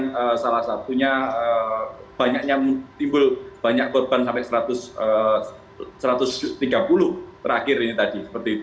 dan salah satunya banyaknya timbul banyak korban sampai satu ratus tiga puluh terakhir ini tadi